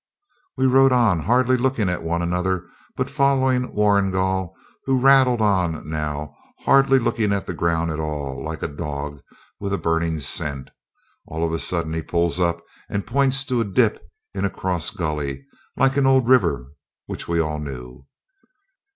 We rode on, hardly looking at one another, but following Warrigal, who rattled on now, hardly looking at the ground at all, like a dog with a burning scent. All of a sudden he pulls up, and points to a dip into a cross gully, like an old river, which we all knew.